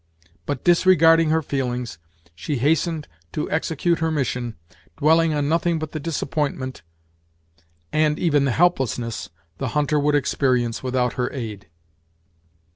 But, disregarding her feelings, she hastened to execute her mission, dwelling on nothing but the disappointment, and even the helplessness, the hunter would experience without her aid.